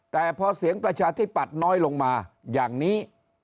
แต่พอเสียงประชาธิปัตย์น้อยลงมาอย่างนี้